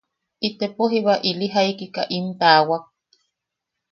Itepo jiba ili jaikika im taawak.